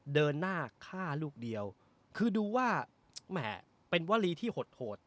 เดินหน้าฆ่าลูกเดียวคือดูว่าแหมเป็นวลีที่หดโหด